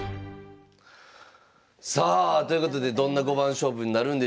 さあということでどんな五番勝負になるんでしょうか。